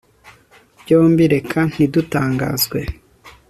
Byombi reka ntidutangazwe